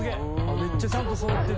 めっちゃちゃんとそろってる。